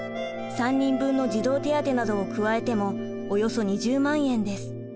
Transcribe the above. ３人分の児童手当などを加えてもおよそ２０万円です。